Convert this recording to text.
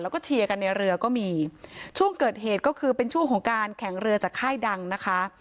แล้วก็เชียร์กันในเรือก็มีช่วงเกิดเหตุก็คือเป็นช่วงของการแข่งเรือจากค่ายดังนะคะ